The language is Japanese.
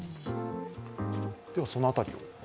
では、その辺りを。